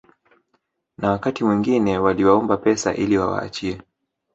na wakati mwingine waliwaomba pesa ili wawaachie